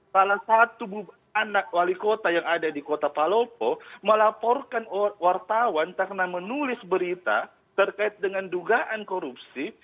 salah satu anak wali kota yang ada di kota palopo melaporkan wartawan karena menulis berita terkait dengan dugaan korupsi